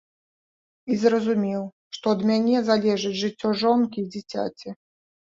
І зразумеў, што ад мяне залежыць жыццё жонкі і дзіцяці.